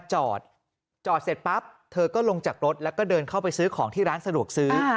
จอดจอดเสร็จปั๊บเธอก็ลงจากรถแล้วก็เดินเข้าไปซื้อของที่ร้านสะดวกซื้อ